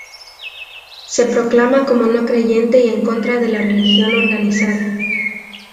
Se proclama como no creyente y en contra de la religión organizada.